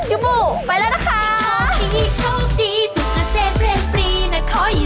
จูบบู่ไปแล้วนะคะ